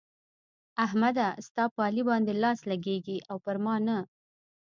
احمده! ستا په علي باندې لاس لګېږي او پر ما نه.